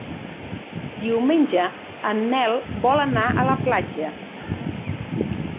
Diumenge en Nel vol anar a la platja.